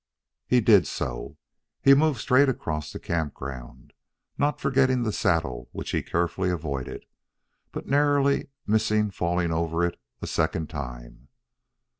He did so. He moved straight across the camp ground, not forgetting the saddle which he carefully avoided, but narrowly missing falling over it a second time.